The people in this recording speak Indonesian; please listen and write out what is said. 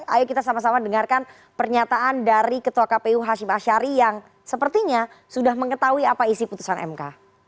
ayo kita sama sama dengarkan pernyataan dari ketua kpu hashim ashari yang sepertinya sudah mengetahui apa isi putusan mk